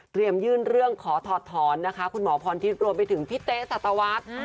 เตรียมยื่นเรื่องขอถอดถอนนะคะคุณหมอพรทิศรวมไปถึงพี่เต๊สัตวัส